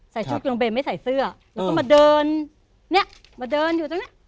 ใส่ชุดดุงกระเบนไม่ใส่เสื้อแล้วก็มาเดินมาเดินอยู่ตรงนี้